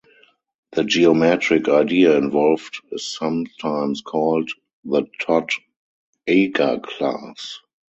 The geometric idea involved is sometimes called the Todd-Eger class.